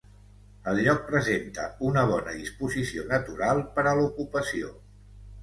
El lloc presenta una bona disposició natural per a l'ocupació.